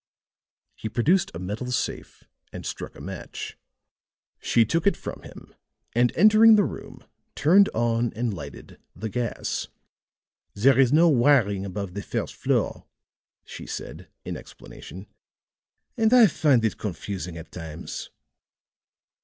He produced a metal safe and struck a match. She took it from him, and entering the room, turned on and lighted the gas. "There is no wiring above the first floor," she said, in explanation; "and I find it confusing at times."